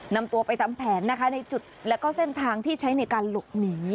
นำตัวไปทำแผนนะคะในจุดแล้วก็เส้นทางที่ใช้ในการหลบหนี